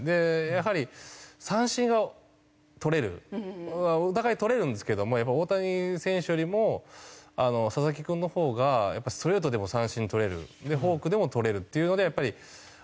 やはり三振が取れるお互い取れるんですけどもやっぱり大谷選手よりも佐々木君の方がストレートでも三振が取れるフォークでも取れるっていうのでやっぱり。